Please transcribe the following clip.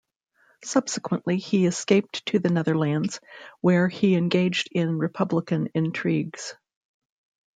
Subsequently he escaped to the Netherlands, where he engaged in republican intrigues.